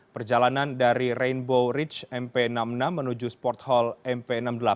perjalanan dari rainbow ridge mp enam puluh enam menuju sporthall mp enam puluh delapan